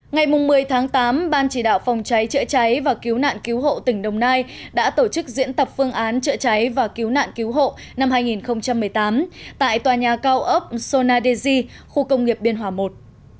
ngày một mươi tháng tám ban chỉ đạo phòng cháy chữa cháy và cứu nạn cứu hộ tỉnh đồng nai đã tổ chức diễn tập phương án chữa cháy và cứu nạn cứu hộ năm hai nghìn một mươi tám tại tòa nhà cao ốc sonadesi khu công nghiệp biên hòa i